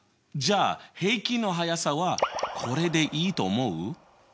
じゃあ平均の速さはこれでいいと思う？